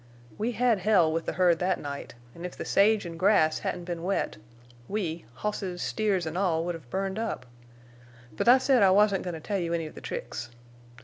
We had hell with the herd that night, an' if the sage an' grass hadn't been wet—we, hosses, steers, an' all would hev burned up. But I said I wasn't goin' to tell you any of the tricks....